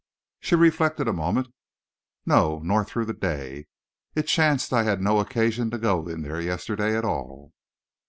She reflected a moment. "No, nor through the day. It chanced I had no occasion to go in there yesterday at all."